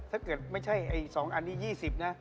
ถ้าเกิดไม่ใช่๒อันนี้๒๐นะ